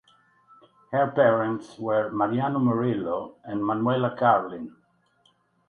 Her parents were Mariano Murillo and Manuela Carlin.